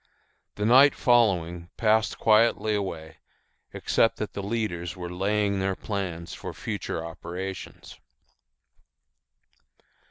The night following passed quietly away, except that the leaders were laying their plans for future operations.